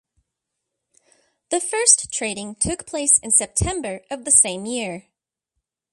The first trading took place in September of the same year.